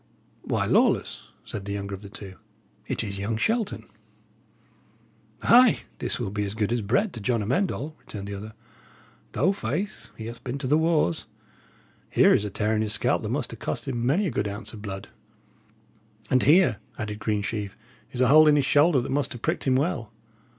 "Why, Lawless," said the younger of the two, "it is young Shelton." "Ay, this will be as good as bread to John Amend All," returned the other. "Though, faith, he hath been to the wars. Here is a tear in his scalp that must 'a' cost him many a good ounce of blood." "And here," added Greensheve, "is a hole in his shoulder that must have pricked him well.